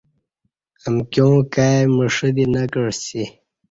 امکیاں کائی مݜہ دی نہ کعسی